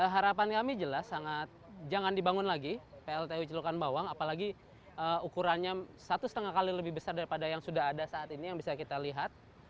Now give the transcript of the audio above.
harapan kami jelas sangat jangan dibangun lagi pltu celukan bawang apalagi ukurannya satu lima kali lebih besar daripada yang sudah ada saat ini yang bisa kita lihat